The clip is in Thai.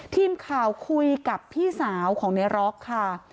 ทีมข่าวคุยกับพี่สาวของในร็อกค่ะ